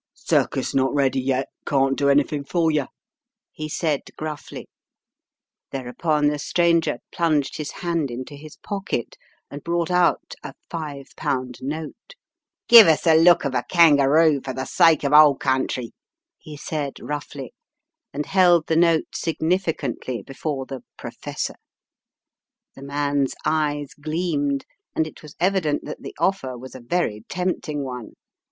"Circus not ready yet; can't do anything for you," he said gruffly. Thereupon the stranger plunged his hand into his pocket and brought out a £5 note. "Give us a look of a kangaroo for the sake of old country," he said, roughly, and held the note signifi cantly before the "professor." The man's eyes gleamed, and it was evident that the offer was a very tempting one.